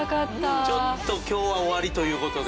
ちょっと今日は終わりという事で。